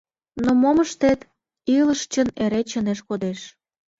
Но мом ыштет, илыш чын эре чынеш кодеш.